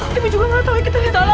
tidak t cable tau